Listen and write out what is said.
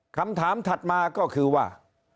คำถามถัดมาก็คือว่า